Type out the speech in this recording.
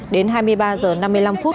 đến hai mươi ba h năm mươi năm phút